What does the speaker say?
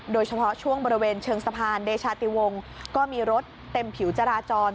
โดยเฉพาะช่วงบริเวณเชิงสะพานเดชาติวงก็มีรถเต็มผิวจราจร